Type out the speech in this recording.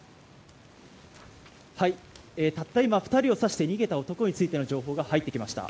たった今２人を刺して逃げた男についての情報が入ってきました。